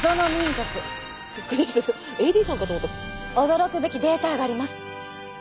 驚くべきデータがあります。